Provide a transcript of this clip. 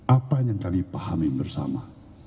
apa yang kami pahami bersama